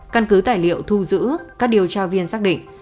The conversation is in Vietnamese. căn cứ tài liệu thu giữ các điều tra viên xác định